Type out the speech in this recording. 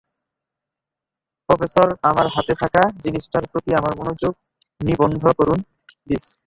Professor, আমার হাতে থাকা জিনিসটার প্রতি আপনার মনোযোগ নিবদ্ধ করুন, প্লিজ।